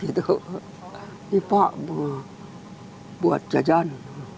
ini pak buat jajan